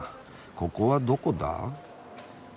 ここはどこだ？